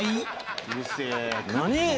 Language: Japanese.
うるせえ。